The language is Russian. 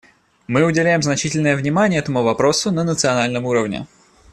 Мы уделяем значительное внимание этому вопросу на национальном уровне.